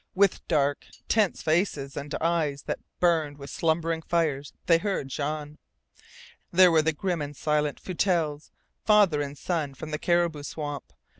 With dark, tense faces and eyes that burned with slumbering fires they heard Jean. There were the grim and silent Foutelles, father and son, from the Caribou Swamp.